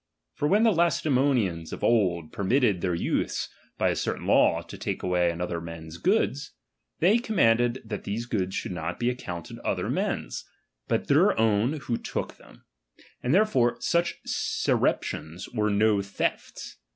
For when . the LacedEemonians of old permitted their youths, by a certain law, to take away other men's goods, they commanded that these goods should not be accounted other men's, but their 'own who took them; and therefore such surreptions were no thefts.